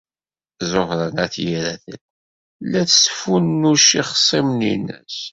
Ẓuhṛa n At Yiraten tella tesfunnuc ixṣimen-nnes.